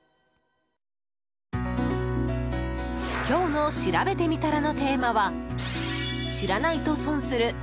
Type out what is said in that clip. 今日のしらべてみたらのテーマは知らないと損する